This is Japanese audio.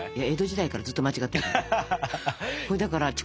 江戸時代からずっと間違ってるから。